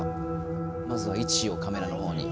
まずは１をカメラの方に。